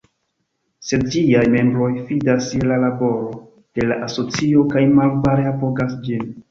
Sed ĝiaj membroj fidas je la laboro de la asocio kaj malavare apogas ĝin.